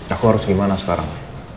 aku harus gimana sekarang